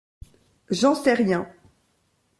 J’en sais rien...